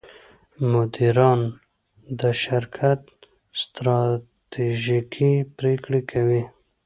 مدیران د شرکت ستراتیژیکې پرېکړې کوي.